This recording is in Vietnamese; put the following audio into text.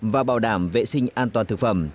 và bảo đảm vệ sinh an toàn thực phẩm